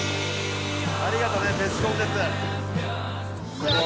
ありがとねベスコンです